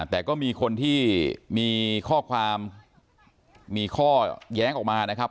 แต่ก็มีคนที่มีข้อความมีข้อแย้งออกมานะครับ